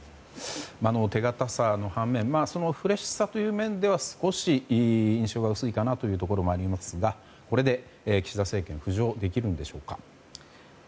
手堅さの反面フレッシュさという面では少し印象が薄いかなというところもありますがこれで岸田政権は浮上できるんでしょうか？